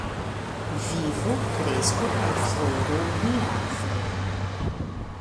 Vivu, kresku kaj floru nia afero!